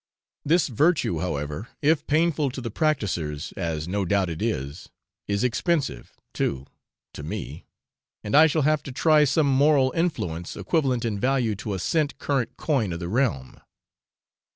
This virtue, however, if painful to the practisers, as no doubt it is, is expensive, too, to me, and I shall have to try some moral influence equivalent in value to a cent current coin of the realm.